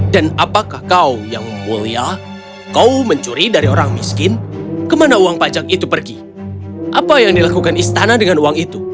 dan apakah kau yang mulia kau mencuri dari orang miskin kemana uang pajak itu pergi apa yang dilakukan istana dengan uang itu